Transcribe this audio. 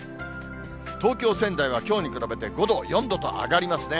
東京、仙台はきょうに比べて５度、４度と上がりますね。